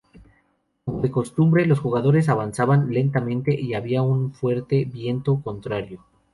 Como de costumbre, los jugadores avanzaban lentamente y había un fuerte viento contrario.